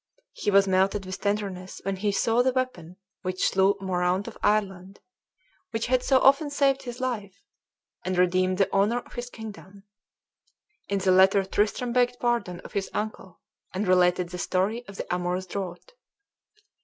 He was melted with tenderness when he saw the weapon which slew Moraunt of Ireland, which had so often saved his life, and redeemed the honor of his kingdom. In the letter Tristram begged pardon of his uncle, and related the story of the amorous draught.